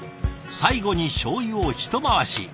最後にしょうゆを一回し。